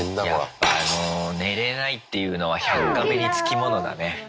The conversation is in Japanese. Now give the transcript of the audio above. やっぱ寝れないっていうのは「１００カメ」に付き物だね。